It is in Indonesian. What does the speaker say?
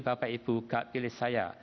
bapak ibu gak pilih saya